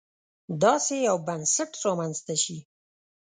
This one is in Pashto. داسې یو بنسټ رامنځته شي.